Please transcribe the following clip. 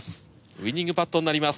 ウイニングパットになります。